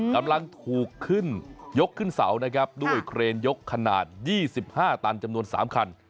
กำลังถูกขึ้นยกขึ้นเสานะครับด้วยเครนยกขนาด๒๕ตันจำนวน๓คัน